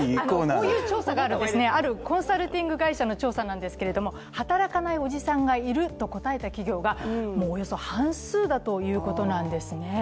こういう調査があるんです、あるコンサルティング会社の調査なんですけど働かないおじさんがいると答えた企業がもう半数以上ということなんですね。